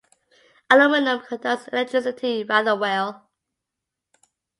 Aluminum conducts electricity rather well.